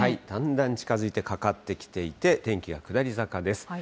だんだん近づいて、かかってきていて、天気は下り坂です。